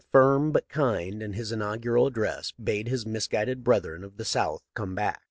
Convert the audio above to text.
but kind, in his inaugural address bade his mis guided brethren of the South come back.